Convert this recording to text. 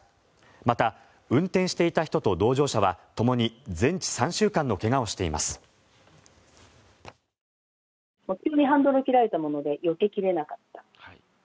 また、運転していた人と同乗者はともに全治３週間の怪我をしています。